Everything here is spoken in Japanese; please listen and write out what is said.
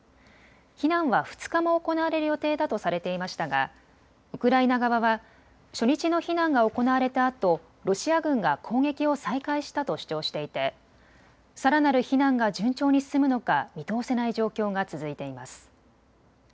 避難は２日も行われる予定だとされていましたがウクライナ側は初日の避難が行われたあとロシア軍が攻撃を再開したと主張していてさらなる避難が順調に進むのか見通せない状況が続いています。